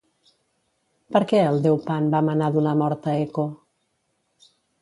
Per què el déu Pan va manar donar mort a Eco?